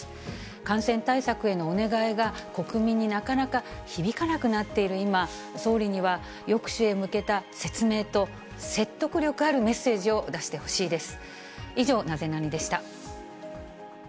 感染対策へのお願いが国民になかなか響かなくなっている今、総理には抑止へ向けた説明と、説得力あるメッセージを出してほしいです。